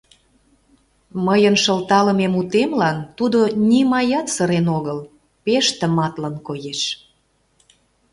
Мыйын шылталыме мутемлан тудо нимаят сырен огыл, пеш тыматлын коеш.